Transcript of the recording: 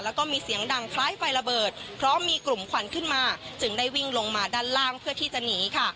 แล้วก็มีเสียงดังคล้ายไฟระเบิดเพราะมีกลุ่มควันขึ้นมาจึงได้วิ่งลงมาด้านล่างเพื่อที่จะหนีค่ะ